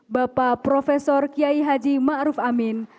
bapak profesor kiai haji ma'ruf amin